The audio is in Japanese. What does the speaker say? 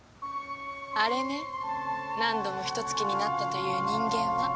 あれね何度もヒトツ鬼になったという人間は。